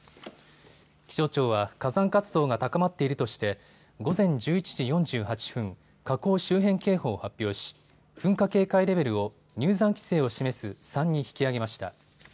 気象庁は火山活動が高まっているとして午前１１時４８分、火口周辺警報を発表し噴火警戒レベルを入山規制を示す３に引き上げました。